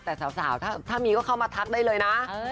แต่สาวถ้ามีก็เข้ามาทักได้เลยนะ